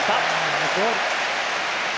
ナイスボール！